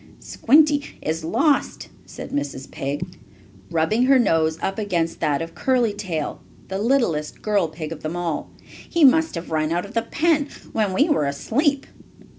"Squinty is lost!" said Mrs. Pig, rubbing her nose up against that of Curly Tail, the littlest girl pig of them all. "He must have run out of the pen when we were asleep."